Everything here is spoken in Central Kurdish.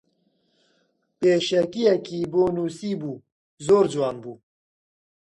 پێشەکییەکی بۆ نووسیبوو زۆر جوان بوو